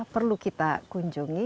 perlu kita kunjungi